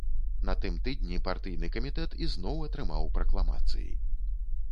На тым тыдні партыйны камітэт ізноў атрымаў пракламацыі.